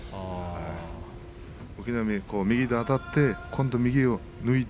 隠岐の海が右であたって右を抜いて